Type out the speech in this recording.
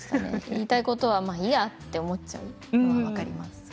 言いたいことは、まあいいやと思っちゃう、分かります。